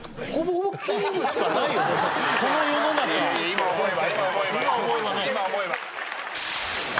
今思えば。